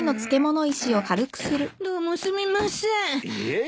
どうもすみません。